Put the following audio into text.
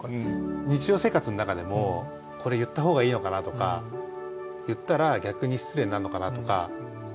日常生活の中でも「これ言った方がいいのかな」とか「言ったら逆に失礼になるのかな」とかっていうことってあると思うんですよね。